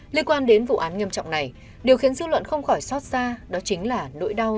liên quan đến vụ án nghiêm trọng này điều khiến dư luận không khỏi xót xa đó chính là nỗi đau